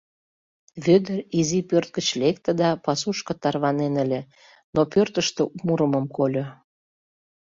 Вӧдыр изи пӧрт гыч лекте да пасушко тарванен ыле, но пӧртыштӧ мурымым кольо.